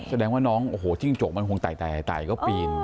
แสดงว่าน้องจิ้งจกมันคงไตก็ปีน